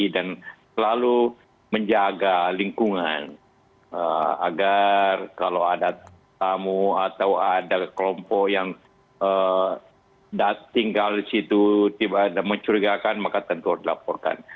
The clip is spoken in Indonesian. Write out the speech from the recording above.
dan selalu menjaga lingkungan agar kalau ada tamu atau ada kelompok yang tinggal di situ mencurigakan maka tentu dilaporkan